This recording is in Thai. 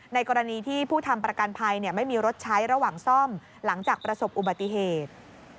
กรณีที่ผู้ทำประกันภัยไม่มีรถใช้ระหว่างซ่อมหลังจากประสบอุบัติเหตุ